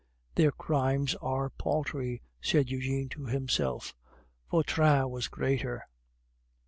"Their crimes are paltry," said Eugene to himself. "Vautrin was greater."